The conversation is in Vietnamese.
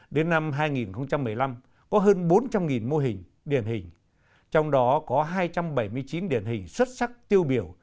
đến năm hai nghìn một mươi năm có hơn bốn trăm linh mô hình điển hình trong đó có hai trăm bảy mươi chín điển hình xuất sắc tiêu biểu